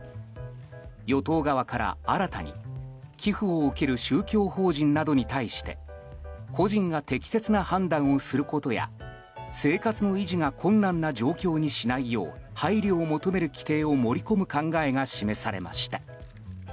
与党側から新たに、寄付を受ける宗教法人などに対して個人が適切な判断をすることや生活の維持が困難な状況にしないよう配慮を求める規定を盛り込む考えが示されました。